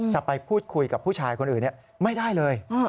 จะไปพูดคุยกับผู้ชายคนอื่นไม่ได้เลย